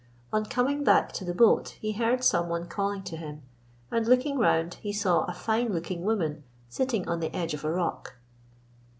On coming back to the boat he heard some one calling to him, and, looking round, he saw a fine looking woman sitting on the edge of a rock.